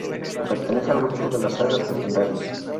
Pertenece al grupo de las sagas legendarias.